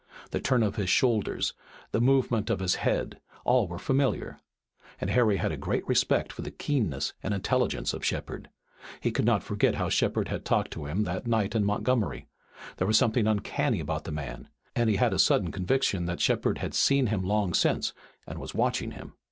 The turn of his shoulders, the movement of his head all were familiar. And Harry had a great respect for the keenness and intelligence of Shepard. He could not forget how Shepard had talked to him that night in Montgomery. There was something uncanny about the man, and he had a sudden conviction that Shepard had seen him long since and was watching him.